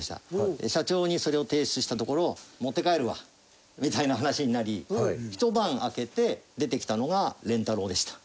社長にそれを提出したところ持って帰るわみたいな話になりひと晩明けて出てきたのが「練太郎」でした。